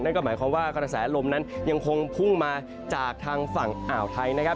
นั่นก็หมายความว่ากระแสลมนั้นยังคงพุ่งมาจากทางฝั่งอ่าวไทยนะครับ